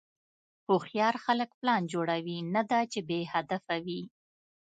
هوښیار خلک پلان جوړوي، نه دا چې بېهدفه وي.